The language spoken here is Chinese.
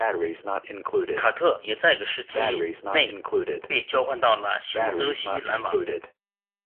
卡特也在这个时期内被交换到新泽西篮网。